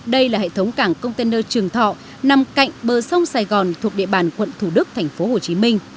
đây là hệ thống cảng container trường thọ nằm cạnh bờ sông sài gòn thuộc địa bàn quận thủ đức tp hcm